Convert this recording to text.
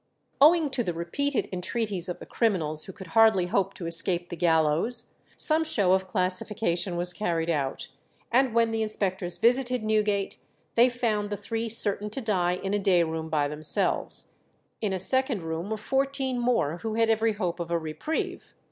Owing to the repeated entreaties of the criminals who could hardly hope to escape the gallows, some show of classification was carried out, and when the inspectors visited Newgate they found the three certain to die in a day room by themselves; in a second room were fourteen more who had every hope of a reprieve.